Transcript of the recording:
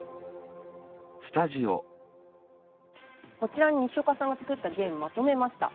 こちらに西岡さんが作ったゲームまとめました。